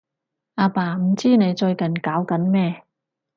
阿爸唔知你最近搞緊咩